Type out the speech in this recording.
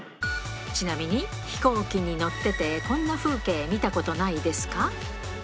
ちなみに飛行機に乗ってて、こんな風景見たことないですか？